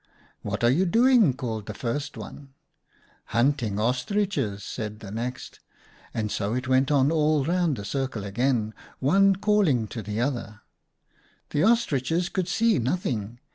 "'What are you doing?' called the first one. " Hunting Ostriches,' said the next, and so it went on all round the circle again, one calling to the other. i 4 4 OUTA K ABEL'S STORIES 44 The Ostriches could see nothing.